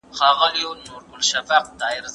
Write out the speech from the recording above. ¬ پردى اور تر واورو سوړ دئ.